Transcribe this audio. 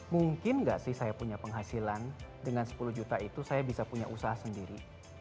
mungkin nggak sih saya punya penghasilan dengan sepuluh juta itu saya bisa punya usaha sendiri